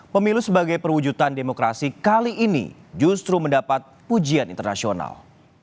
pemilu sebagai perwujudan demokrasi kali ini justru mendapat pujian internasional